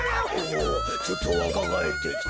おおちょっとわかがえってきた。